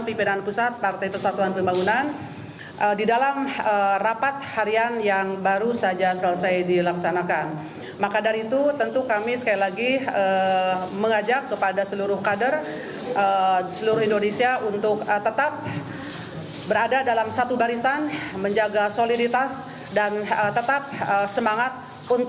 kepada pemerintah saya ingin mengucapkan terima kasih kepada pemerintah pemerintah yang telah menonton